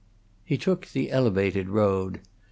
He took the Elevated road.